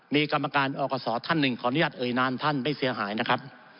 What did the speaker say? มีกรรมการอกศท่านหนึ่งขออนุญาตเอ่ยนานท่านไม่เสียหายนะครับ